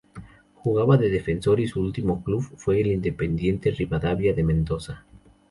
Jugaba de defensor y su último club fue el Independiente Rivadavia de Mendoza.